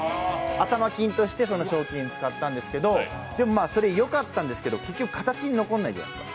頭金としてその賞金を使ったんですけど、よかったんですけど、結局、形に残らないじゃないですか。